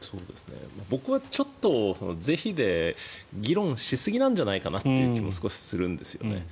僕はちょっと是非で議論しすぎなんじゃないかなって気も少しするんですよね。